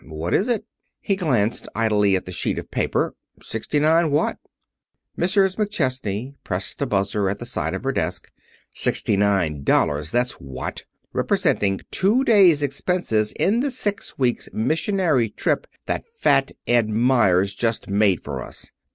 "What is it?" He glanced idly at the sheet of paper. "Sixty nine what?" Mrs. McChesney pressed a buzzer at the side of her desk. "Sixty nine dollars, that's what! Representing two days' expenses in the six weeks' missionary trip that Fat Ed Meyers just made for us.